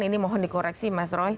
ini mohon dikoreksi mas roy